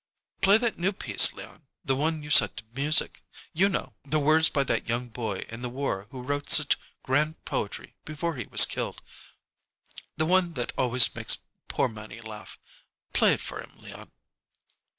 "Play that new piece, Leon the one you set to music. You know. The words by that young boy in the war who wrote such grand poetry before he was killed. The one that always makes poor Mannie laugh. Play it for him, Leon."